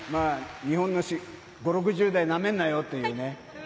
日本の５０６０代をなめんなよってね。